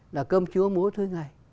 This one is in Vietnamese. là cơm chúa múa thuê ngày